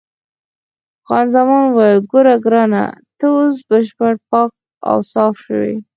خان زمان وویل: ګوره ګرانه، ته اوس بشپړ پاک او صاف شوې.